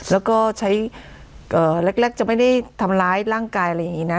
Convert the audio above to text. แล้วก็ใช้แรกจะไม่ได้ทำร้ายร่างกายอะไรอย่างนี้นะ